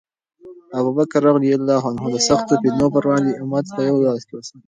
ابوبکر رض د سختو فتنو پر وړاندې امت په یو لاس کې وساته.